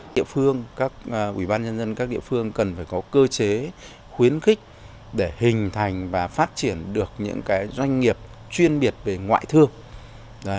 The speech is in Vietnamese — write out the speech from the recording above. địa phương các ủy ban nhân dân các địa phương cần phải có cơ chế khuyến khích để hình thành và phát triển được những doanh nghiệp chuyên biệt về ngoại thương